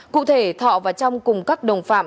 cụ thể thọ và trong cùng các đồng phạm